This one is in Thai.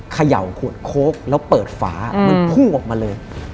เขย่าขวดโค้กแล้วเปิดฝามันพุ่งออกมาเลย